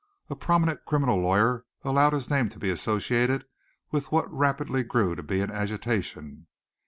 A prominent criminal lawyer allowed his name to be associated with what rapidly grew to be an agitation.